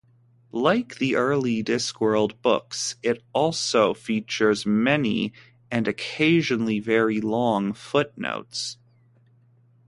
Like the early Discworld books, it also features many, and occasionally very long, footnotes.